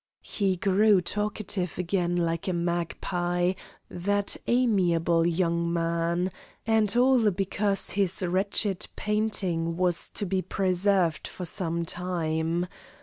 He grew talkative again like a magpie, that amiable young man, and all because his wretched painting was to be preserved for some time.